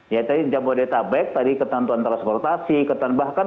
ya tadi jabodetabek tadi ketentuan transportasi ketentuan bahkan